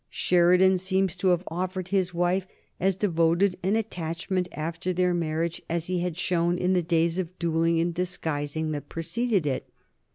Sheridan seems to have offered his wife as devoted an attachment after her marriage as he had shown in the days of duelling and disguising that preceded it.